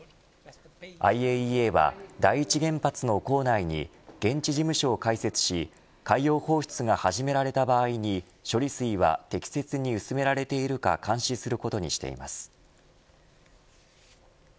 ＩＡＥＡは第一原発の構内に現地事務所を開設し海洋放出が始められた場合に処理水は適切に薄められているか監視することにしています。